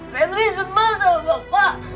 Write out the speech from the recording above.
febri sebal sama bapak